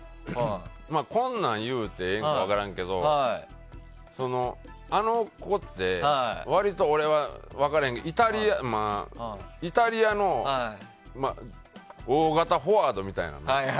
こんなん言うてええか分からんけどあの子って、わりと俺は分からへんけどイタリアの大型フォワードみたいな。